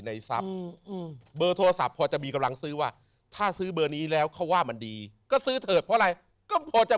กำลังซื้อว่าถ้าซื้อเบอร์นี้แล้วเขาว่ามันดีเข้าจะ